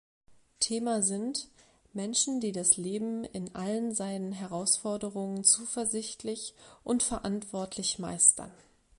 Thema sind „Menschen, die das Leben in allen seinen Herausforderungen zuversichtlich und verantwortlich meistern.